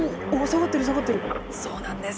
そうなんです。